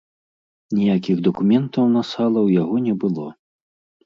Ніякіх дакументаў на сала ў яго не было.